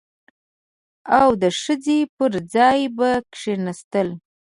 او د ښځې پر ځای به کښېناستل.